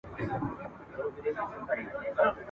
لا څو زیاتي چي ښې ساندي یې ویلي ..